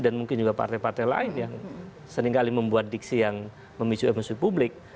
dan mungkin juga partai partai lain yang seringkali membuat diksi yang memicu emosi publik